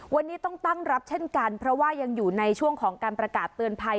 วันนี้ต้องตั้งรับเช่นกันเพราะว่ายังอยู่ในช่วงของการประกาศเตือนภัย